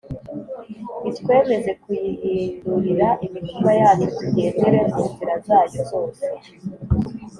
itwemeze kuyihindurira imitima yacu tugendere mu nzira zayo zose